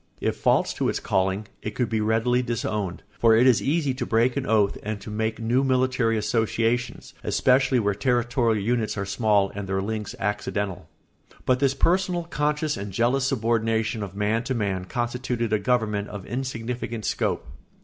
If false to its calling, it could be readily disowned, for it is easy to break an oath and to make new military associations, especially where territorial units are small and their links accidental. But this personal, conscious, and jealous subordination of man to man constituted a government of insignificant scope.